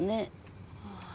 ああ